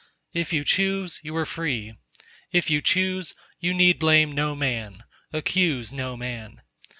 . If you choose, you are free; if you choose, you need blame no man—accuse no man.